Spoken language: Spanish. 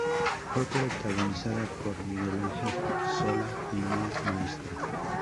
Fue protagonizada por Miguel Ángel Solá y Mía Maestro.